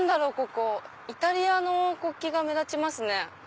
ここイタリアの国旗が目立ちますね。